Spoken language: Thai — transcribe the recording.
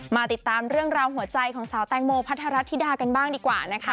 มาติดตามเรื่องราวหัวใจของสาวแตงโมพัทรธิดากันบ้างดีกว่านะคะ